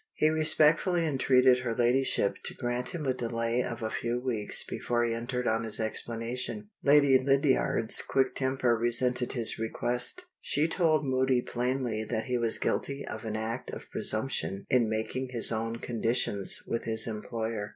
He respectfully entreated her Ladyship to grant him a delay of a few weeks before he entered on his explanation. Lady Lydiard's quick temper resented his request. She told Moody plainly that he was guilty of an act of presumption in making his own conditions with his employer.